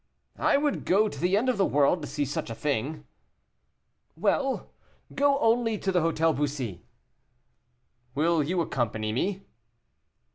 "I would go to the end of the world to see such a thing." "Well! go only to the Hôtel Bussy." "Will you accompany me?"